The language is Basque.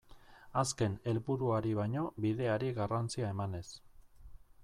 Azken helburuari baino bideari garrantzia emanez.